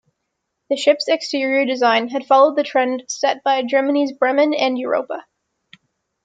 The ship's exterior design had followed the trend set by Germany's Bremen and Europa.